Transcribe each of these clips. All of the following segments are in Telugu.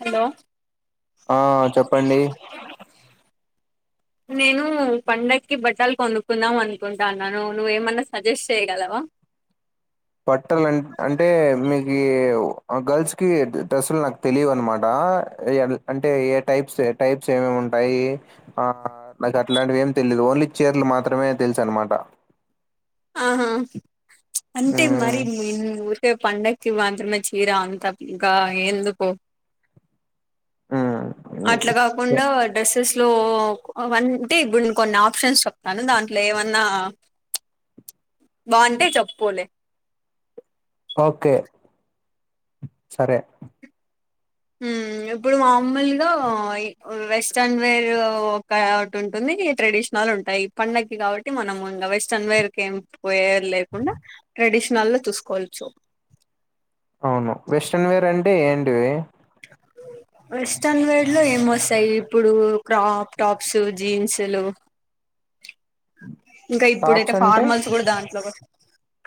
హలో ఆ చెప్పండి నేను పండగకి బట్టలు కొనుకుందాం అనుకుంటన్నాను నువ్ నువేమన్నా సజెస్ట్ చేయగలవా బట్టలు అం అంటే మీకు గర్ల్స్ కి డ్రస్సులు నక్ తెలివు అనమాట అంటే ఏ టైప్స్ ఏ టైప్స్ ఏమేం ఉంటాయి ఆ నాకు అలాంటివి ఏం తెలిదు ఓన్లీ చీర్లు మాత్రమే తెలుసనమాట ఆహా అంటే మ్మ్ మరి నీ మీ ఊరు పండగ్కి మాత్ర్రమే చీర అంత ఇంకా ఎందుకో మ్మ్ అట్లాగా ఏ- కుండా డ్రెస్సెస్ లో అంటే ఇప్పుడు నేను కొన్ని ఆప్షన్స్ చెప్తాను దాంట్లో ఏమన్నా బాగుంటే చెప్పుకోలే ఓకే సరే ఉమ్ ఇప్పుడు మామూలుగా వెస్టర్న్ వేర్ ఒకటి ఉంటుంది ట్రెడిషనల్ ఉంటాయి పండగకి కాబట్టి మనం ఇంకా వెస్ట్రన్ వేర్ క ఏం లేకుండా ట్రెడిషనల్ లో చూసుకోవచ్చు అవును వెస్ట్రన్ వేర్ అంటే ఏంటివి వెస్టర్న్ వేర్ లో ఏం వస్తాయి ఇప్పుడు క్రాప్ టాప్స్ జీన్స్లు ఇంకా ఇప్పుడైతే టాప్స్ అంటే ఫార్మల్స్ కూడా దాంట్లో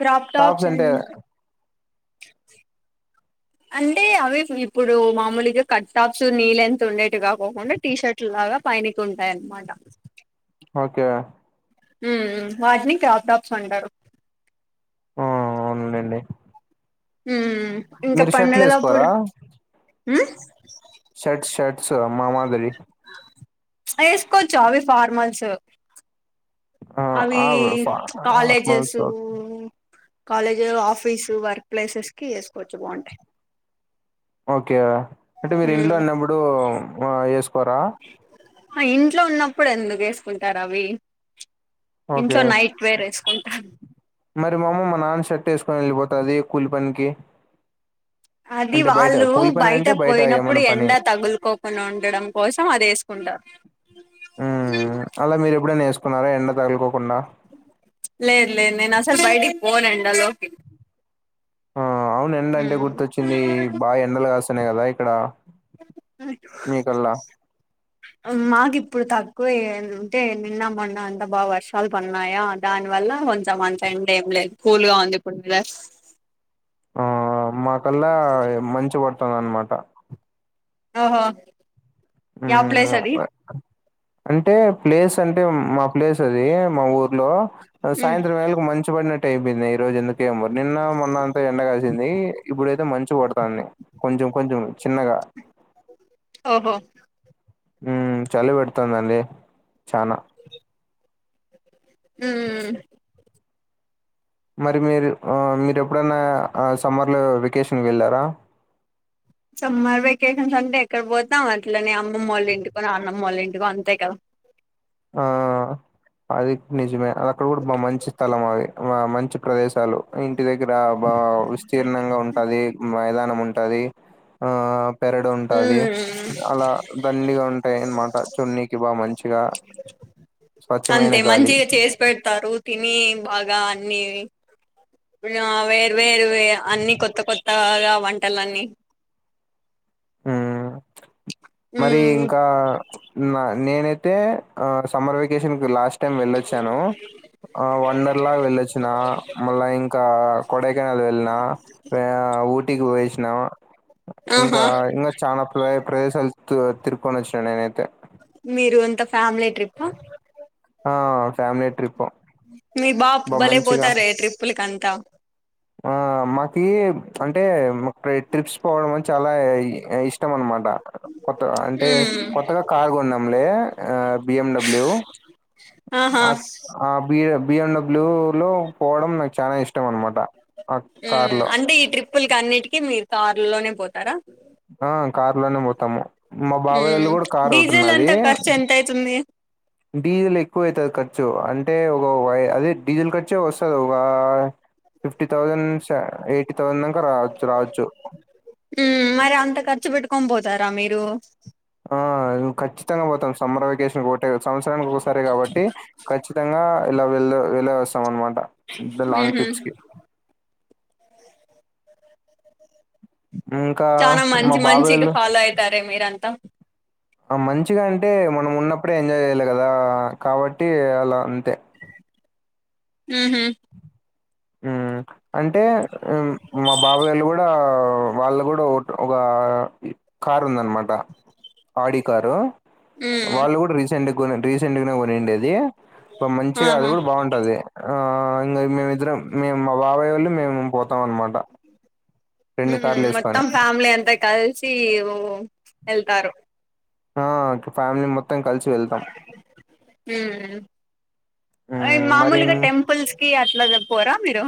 క్రాప్ టాప్స్ ట్రాప్స్ అ అంటే అంటే అవి ఇప్పుడు మామూలుగా కట్ టాప్స్ నీ లెంత్ ఉండేటు గాకొకుండా టీ షర్ట్ లాగా పైనికి ఉంటాయన్నమాట ఓకే ఊ ఊ వాటిని క్రాప్ టాప్స్ అంటారు మూడండి ఇంకా షర్ట్లు పడుగలపుడు వేసుకోరా ఉ షర్ట్స్ షర్ట్స్ అమ్ మా మా గది ప్చ్ వేసుకోవచ్చు అవి ఫార్మల్స్ ఆ అవి ఆ ఫా- ప్చ్ colleges formals college office work places కి వేసుకోవచ్చు బాగుంటాయి ఓకే అంటే మీరు ఇంట్లో ఉమ్ ఉన్నప్పుడు ఆ ఏసుకోరా ఇంట్లో ఉన్నప్పుడు ఎందుకు వేసుకుంటారు అవి ఇంట్లో ఓకే నైట్ వేర్ వేసుకుంటారు మరి మా అమ్మ మా నాన్న షర్ట్ వేసుకొని వెళ్ళిపోతది కూలి పనికి అది అంటే బయట వాళ్ళు కూలి పని బయట అంటే పోయినప్పుడు ఏమన్నా పని ఎండ తగులుకోకుండా ఉండడం కోసం అది వేసుకుంటారు అ హ్మ్ అలా మీరు ఎప్పుడై వేసుకున్నారో ఎండ తగులుకోకుండా లేదు లేదు నేనసలు బయటికి పోను ఎండ లోకి ఆ అవును ఎండ అంటే గుర్తొచ్చింది బా ఎండలు కాస్తన్నాయి కదా ఇక్కడ మీకల్లా అనిపితది మాకు ఇప్పుడు తక్కువంటే నిన్నమ్మన్న అంతా బాగా వర్షాలు పన్నాయా దాని వల్ల కొంచెం అంతెండ్ ఏం లేదు కూల్ గా ఉంది ఇప్పుడు మీదస్ మా కల్లా ఇగ మంచు పడుతుంది అనమాట ఓహో యా ప్లేస్ అది హ్మ్ అంటే ప్లేస్ అంటే మాప్ ప్లేస్ అది మా ఊర్లో సాయంత్రం వేళకు మంచి పడినట్ ట్ అయిపోయింది ఈ రోజు ఎందుకేమ నిన్న మొన్న అంత ఎండగాసింది ఇప్పుడైతే మంచి పడతాంది కొంచెం కొంచెం చిన్నగా ఓహో ఊ చలి పెడుతుందండి చనా ఊ మరి మీరు మీరు ఎప్పుడైన్నా సమ్మర్లో వెకేషన్కి వెళ్ళారా సమ్మర్ వెకేషన్స్ అంటే ఎక్కడ పోతన్నాం అట్లనేే అమ్మమ్ వాళ్ళ ఇంటికోని నాన్నమ్మళ్ళ ఇంటికోని అంతే కదా ఆ అది నిజమే అది అక్కడ కూడా బ మంచి స్థలం అది మంచి ప్రదేశాలు ఇంటి దగ్గర బా విస్తీర్ణంగా ఉంటది మైదానం ఉంటది ఆ పెరడు ఉంటాది ఉమ్ అలా దండిగా ఉంటాయి అన్నమాట చున్నీకి బా మంచిగా. స్వచ్ఛమైన అంటే గాలి మంచిగా చేసి పెడతారు తినీ బాగా అన్నీ. ఇగా వేర్ వేరు ఏ అన్ని కొత్త కొత్తగా ఇగ వంటలన్నీ. ఉమ్ మరి ఉమ్, ఇంకా నా నేనైతే అ సమ్మర్ వెకేషన్. లాస్ట్ టైమ్ వెళ్ళొచ్చాను. ఆ వడర్ లాల్ వెళ్ళొచ్చిన మళ్ళా ఇంకా కొడైకానాల్ వెళ్ళిన. వా ఊటీకి పోయిచ్చిన. ఆహా ఇంకా ఇంకా చాలా ప్లే ప్లేసెస్ తిరు తిరుకొని ఓచ్చిన నేనైతే. మీరు ఇంత ఫ్యామిలీ ట్రిప్పు. ఆ ఫ్యామిలీ ట్రిప్పు. మీ బాప్ బా మంచిగా బలేపోతారే ట్రిప్పులకంతా. ఆ మాకి అంటే మక్ ఏ ట్రిప్స్ పోవడం అని చాలా ఇష్. ఇష్టం అన్నమాట కొత్తగా అంటే ఉమ్, కొత్తగా కార్ గోన్నాంలే అ బిఎండబ్ల్యూ. ఆహా ఆ ఆ బి బిఎం డబ్ల్యూ లో. పోవడం నాకు చాలా ఇష్టం అన్నమాట ఆ కార్లో. బ్లె ట్రిప్. ఇంకా అన్నిటికీ మీరు కారులోనే పోతారా. ఆ కార్ లోనే బోతాము మా ఉమ్, బాబాయిళు గూడా కార్ డీజిల్ ఒటున్నది. అంతా ఖర్చు ఎంత అయితుంది. డీయిల్ ఎక్కువయితది ఖర్చు అంటే ఒక వై అదే డీజిల్ ఖర్చు వోస్తద వా. ఫిఫ్టీ థౌజంన్ స్స ఎయిటీ థౌజంన్ దాకా రావచ్చు రావచ్చు. ఉమ్ మరి అంత ఖర్చు బెట్టుకొని బోతారా మీరూ. ఆ ఖచ్చితంగా వోతాం సమ్మర్ వెకేషన్ ఓతే సంవత్సరానికి ఒకసారే కాబట్టి ఖచ్చితంగా. ఇలా వెళ్ళ వెళ్లేే వస్తాం అన్నమాట. ఉహు. ఇంకా చానా మంచి మా మంచిగా బాబాయోళ్ళు ఫాలో అయితార మీరంతా. ఆ మంచిగా అంటే మనం ఉన్నప్పుడే ఎంజాయ్ జేయాలి గదా కాబట్టి అలా అంతే. ఉహు. మ్మ్ అంటే ఉమ్ మా బాబాయిలు గూడా వాళ్ళు కూడా ఒక ఒక ఇ. కార్ ఉందన్నమాట ఆడి కారు. మ్మ్ వాళ్ళు గూడా రీసెంట్గా కోని రీసెంట్గా నే కొనిండేది అ మంచిగా అది ఆహా గూడా బాగుం. ఉంటది ఆ ఇంగ మేమిద్దర్రం. మే మా బాబాయోళ్ళు మేము పోం. అవ్న్ మాట. ఉమ్ మొత్తం ఫ్యామిలీ అంతా కలిసి ఓ వెళ్తారు. ఆ ఫ్యామిలీ మొత్తం కలిసి వెళ్తాం. ఉమ్ ఓయ్ హ్మ్ మరి మామూలుగా టెంపుల్స్ కి అట్లా పోరా మీరు.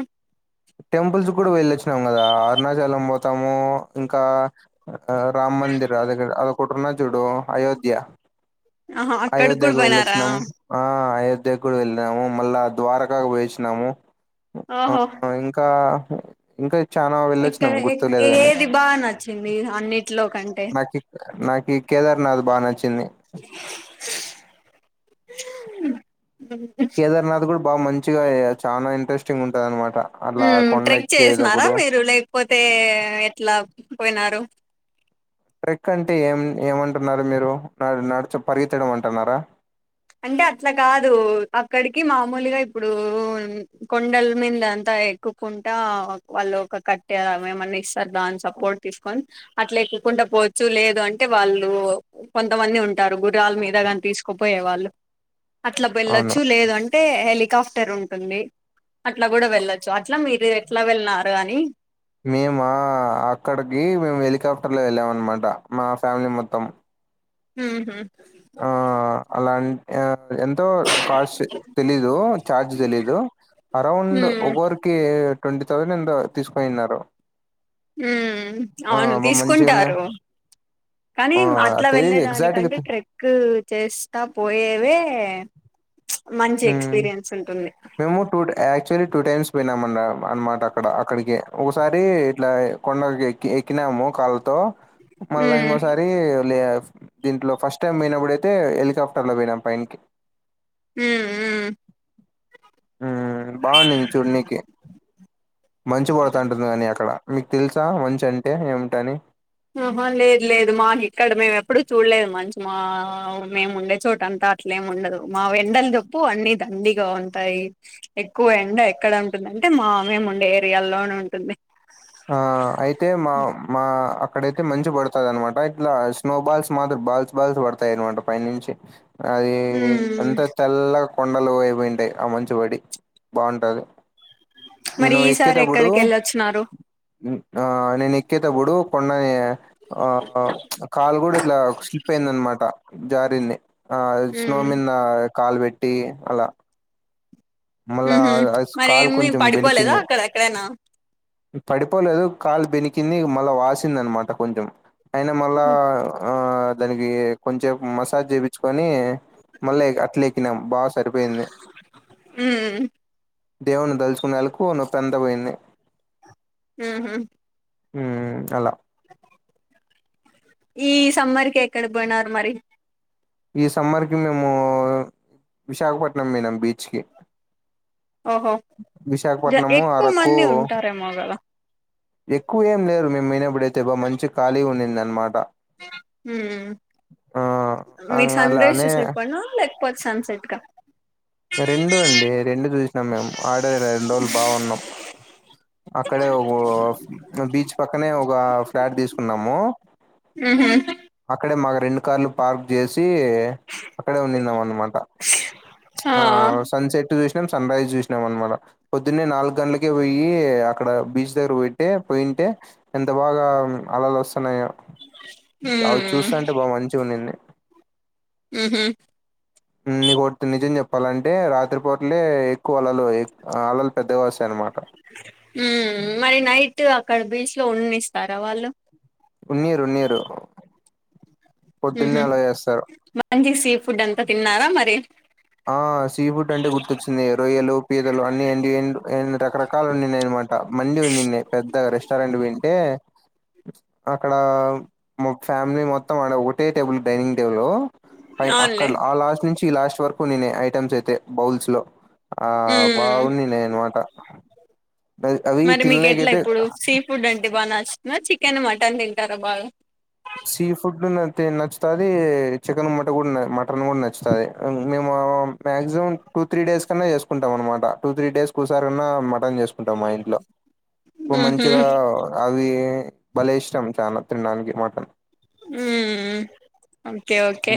టెంపుల్స్ గూడా వెళ్ళొ అచ్చినాము గదా అరుణాచలం పోతాము ఇంకా. రామ్మందిర అది అద కొట్ర నా చూడు అయోధ్య. ఆహా అక్కడికి కూడా అయోధ్యకు పోయినారా వెళ్ళొచ్చినాము. ఆ అయోధ గూడా వెళ్ళాము మల్ల ద్వారా కాకు వోయొచ్చి నము ఓహో వెళ్ళినాము మ. ఇంకా. ఇంకా చాలనాా ఎక్కడ వెళ్ళొచ్చినాం గుర్తులేదు గనీ ఏది బాగా నచ్చింది అన్నిట్లో కంటే నాకి. నాకి కేదార్నాథ్ బాగా నచ్చింది. [unintelligible] కేదర్నాథ్ కూడా బాగా మంచిగా చాలా ఇంట్రెస్టింగ్ ఉంటంది అనమాట అలా కొండ ట్రెక్ చేసినారా ఎక్కేటప్పుడు మీరు లేకపోతే ఎట్లా పోయినారు ట్రెక్ అంటే ఏం ఏమంటున్నారు మీరు నడుచ పరిగెత్తడం అంటున్నారా అంటే అట్లా కాదు అక్కడికి మామూలుగా ఇప్పుడు కొండల మీద అంతా ఎక్కుకుంటా వాళ్ళు ఒక కట్టే ఆ ఏమన్నా ఇస్తారు దాని సపోర్ట్ తీసుకొని అట్లా ఎక్కుకుంటా పోవచ్చు లేదు అంటే వాళ్ళు కొంతమంది ఉంటారు గుర్రాల మీద గాని తీసుకుపోయే వాళ్ళు అట్లా అవును వెళ్ళొచ్చు లేదు అంటే హెలికాప్టర్ ఉంటుంది అట్లా కూడా వెళ్ల చు అట్లా మీరు ఎట్లా వెళ్ళినారు అని మేమ అక్కడికి మేము హెలికాప్టర్ లో వెళ్ళామ అనమాట మా ఫ్యామిలీ మొత్తం ఉహుం ఆ అలాంటి ఎంతో కాస్ట్ తెలీదు చార్జ్ తెలీదు అరౌండ్ మ్మ్. ఒకర్ రికి ట్వంటీ థౌసండ్ ఎంతో తీసుకొనిన్నారు వ్మ్ ఆ అవును బా మంచిగానే తీసుకుంటారు కానీ ఆ అట్లా తెలీదు ఎగ్జాక్ట్గా వెళ్ళలేదానికంటే ట్రే క్ చేస్తా పోయేవే మ్చ్ మంచి మ్ ఎక్స్పీరియన్స్ ఉంటుంది మేము టూ టా యాక్చువల్లీ టూ టైమ్స్ పోయినాం మ్ అన్న అనమాట అక్కడ అక్కడికి ఒకసారి ఇట్లా కొండలకి ఎక్ ఎక్కినాము కాళ్ళతో మళ్ళా ఉమ్ ఇంగోసారి ఫ్రీ లేఫ్ దీంట్లో ఫస్ట్ టైమ్ పోయినప్పుడైతే హెలికాప్టర్ లో పోయినాం పైన్కి వ్మ్ వ్మ్ బాగుంది చెడ్నీకి మంచు పడతాంటుంది కాని అక్కడ మీకు తెలుసా మంచి అంటే ఏమిటి అని ఆహా లేదు లేదు మా ఇక్ ఇక్కడ మేము ఎప్పుడు చూడలేదు మంచి మా మేము ఉండే చోట అంతా అట్లేము ఉండదు మావీ ఎండలు చేప్పు అన్ని దండిగా ఉంటాయి. ఎక్కువ ఎండ ఎక్కడ ఉంటుందంటే మా మేము ఉండే ఏరియాల్లోనే ఉంటుంది ఆ అయితే మా మా అక్కడైతే మంచి పడుతది అనమాట ఇట్లా అస్ స్నో బాల్స్ మాత్రం బాల్స్ బాల్స్ పడతాయ అనమాట పై నుంచి అది ఉమ్ ఎంత త చల్లగా కొండలు అయిపోయింటాయి ఆ మంచిబడి బాగుంటది మరి ఈసారి ఎక్కడికి ఏళ్ళచ్చినారు ఆ నేను ఎక్కేటప్పుడు కొండ ఏ ఆ మ్చ్ కాలు కూడా ఇట్లా స్లిప్ అయింద అనమాట జారింది ఆ ఉమ్ స్నోమింద కాలు పెట్టి అలా మళ్ళా ఉహు ఆ అస్ కాలు మరేమి కొంచెం బేని పడిపోలేదా అక్కడ ఎక్కడైనా పడిపోలేదు కాలు బేనికింది మళ్ళా వాసింది అనమాట కొంచెం అయిన మళ్ళ ఆ దానికి కొంచెంపు మసాజ్ చేపిచ్చుకొని మళ్ళే అట్ల ఎక్కినం బాగా సరిపోయింది ఉమ్ దేవుని తలుచుకునే అల్లాకు నొప్పి అంత పోయింది ఉహుం వ్మ్ అలా ఈ సమ్మర్ కి ఎక్కడ పోయినారు మరి ఈ సమ్మర్ కి మేము విశాఖపట్నం పోయినాం బీచ్ కి ఓహో జ విశాఖపట్నము ఎక్కువ అరకు మంది ఉంటారేమో గదా ఎక్కువ ఏం లేరు మేమ్ పోయినపుడు అయితే బా మంచి ఖాళీ ఉండిందినమాట ఉం మీకు సండేస్ అలానే చెప్పన లైక్ ప సన్ సెట్ కా రెండు అండి రెండు చూసినాం మేము ఆడ రెండు రోజులు బాగున్నాం అక్కడే ఓ బీచ్ పక్కనే ఒక ఫ్లాట్ తీసుకున్నాము హూ హమ్ అక్కడే మాకు రెండు కార్లు పార్క్ చేసి అక్కడే ఉందాం అనమాట స్ ఆ సన్ సెట్ చూసినాం సన్ రైజ్ చూసినాం అనమాట పొద్దున్నే నాలుగు గంటలకే పోయి అక్కడ బీచ్ దగ్గర పే ట్టే పోయింటే ఎంత బాగా అలలు వస్తున్నాయో అవి ఉమ్ చూస్తుంటే బాగా మంచిగా ఉన్నింది హూ హమ్ నీ కొ నిజం చెప్పాలంటే రాత్రిపూటలే ఎక్కువ అలలు ఆ అలలు పెద్దగొస్తయి అనమాట ఉం మరి నైట్ అక్కడ బీచ్ లో ఉండనిస్తార వాళ్ళు ఉన్నీరు ఉన్నీరు పొద్దున్నే అలో చేస్తారు మంచిగా సీ ఫుడ్ అంతా తిన్నారా మరి ఆ సీ ఫుడ్ అంటే గుర్తొచ్చింది రొయ్యలు పీదలు అన్ని అ [unintelligible] రకరకాలు ఉయనమాట మండి ఉండింది పెద్ద రెస్టారెంట్ వింటే అక్కడ మా ఫ్యామిలీ మొత్తం ఆడ ఒకటే టేబుల్ డైనింగ్ టేబుల్ అయి అక్కడ అవునులే ఆ లాస్ట్ నుంచి ఈ లాస్ట్ వరకు నేనే ఐటమ్స్ అయితే బౌల్స్ లో ఆ ఉమ్ బాగుంది నే అనమాట అవి మరి మీకు ఎట్ల తినలేకైతే ఇప్పుడు? సీ ఫుడ్ అంటే బాగా నచ్చుతుందా, చికెన్, మటన్ తింటారా బాగా సీ ఫుడ్ నథి నచ్చుతాది చికెన్ మట కూడ మటన్ కూడా నచ్చుతాది. మేము మాక్సిమం టూ త్రీ డేస్ కన్నా చేసుకుంటాం అనమాట. టూ త్రీ డేస్ కి ఓసారి అన్న మటన్ చేస్ కుంటాం మా ఇంట్లో బా ఉహు మంచిగా అవి భలే ఇష్టం చానా తినడానికి మటన్ మ్మ్ ఓకె ఓకె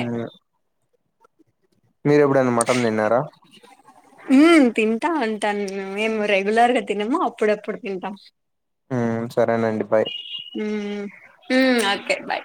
మీరు ఎప్పుడన్నా మటన్ తిన్నారా [unintelligible] [inaudible] మ్ తింటా ఉంటాను. మేము రెగ్యులర్ గా తినము అప్పుడప్పుడు తింటాం. ఉం సరేనండి బాయ్ ఉం ఉం ఓకే బాయ్